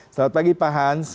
selamat pagi pak hans